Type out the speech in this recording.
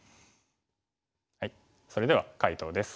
それでは解答です。